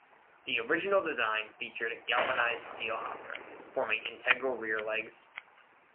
The original design featured a galvanised steel hopper, forming integral rear legs.